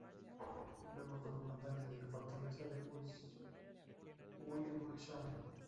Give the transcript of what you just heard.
Luego fue Comandante de la Fortaleza de Wilhelmshaven.